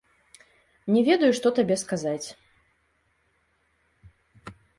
Не ведаю, што табе сказаць.